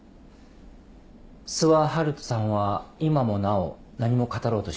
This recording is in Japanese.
諏訪遙人さんは今もなお何も語ろうとしません。